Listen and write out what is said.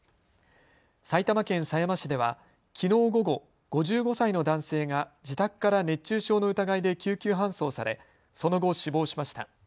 埼玉県狭山市ではきのう午後、５５歳の男性が自宅から熱中症の疑いで救急搬送されその後、死亡しました。